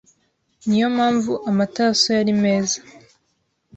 Niyo mpamvu amata ya soya ari meza